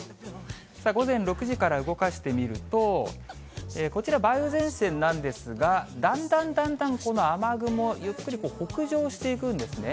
さあ、午前６時から動かしてみると、こちら、梅雨前線なんですが、だんだんだんだんこの雨雲、ゆっくり北上していくんですね。